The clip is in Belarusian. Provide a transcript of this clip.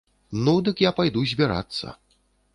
Ну, дык я пайду збірацца.